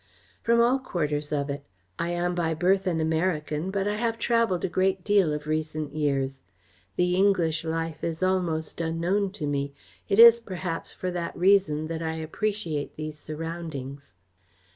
"From all quarters of it. I am by birth an American, but I have travelled a great deal of recent years. The English life is almost unknown to me. It is, perhaps, for that reason that I appreciate these surroundings."